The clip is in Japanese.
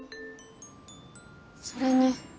それに。